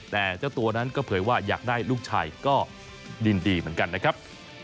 แต่เจ้าตัวนั้นก็เผยว่าอยากได้ลูกชายก็ยินดีเหมือนกันนะครับ